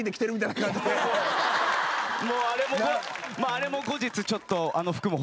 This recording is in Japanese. あれも後日ちょっと。